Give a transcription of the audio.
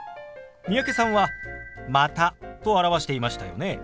三宅さんは「また」と表していましたよね。